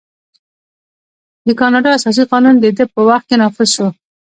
د کاناډا اساسي قانون د ده په وخت کې نافذ شو.